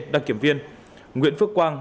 đăng kiểm viên nguyễn phước quang